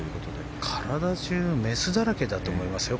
体中メスだらけだと思いますよ。